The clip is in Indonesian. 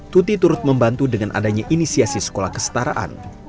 tuti turut membantu dengan adanya inisiasi sekolah kestaraan